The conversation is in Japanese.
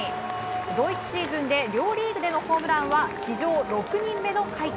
同一シーズンで両リーグでのホームランは史上６人目の快挙。